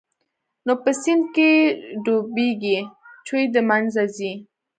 نو په سيند کښې ډوبېږي چوي د منځه ځي.